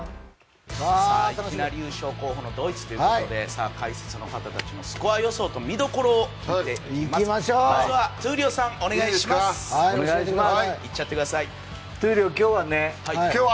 いきなり優勝候補のドイツということで解説の方たちのスコア予想と見どころを見ていきましょう。